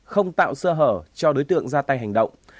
không tạo sơ hở cho đối tượng ra tay hành động